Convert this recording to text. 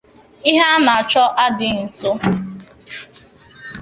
ihe a na-achọ adị nso.